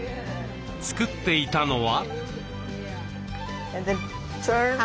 作っていたのは。